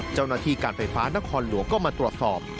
เจ้าหน้าที่การไฟฟ้านครหลวงก็มาตรวจสอบ